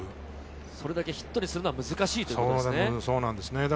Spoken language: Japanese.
それだけヒットにするのは難しいっていうことですね。